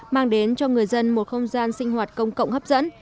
mang đến cho người dân một không gian sinh hoạt công cộng hấp dẫn